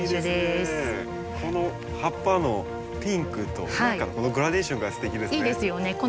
この葉っぱのピンクとこのグラデーションがすてきですね。